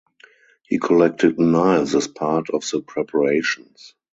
He collected knives as part of the preparations.